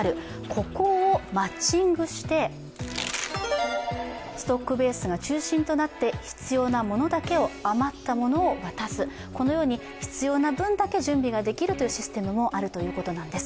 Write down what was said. ここをマッチングしてストックベースが中心となって必要なものだけを、余ったものを渡す、このように必要な分だけ準備ができるというシステムもあるということなんです。